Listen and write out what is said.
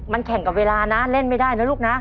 มันแข่งกับเวลานะเล่นไม่ได้นะลูกนะ